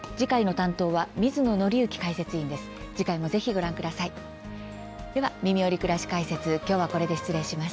担当は水野倫之解説委員です。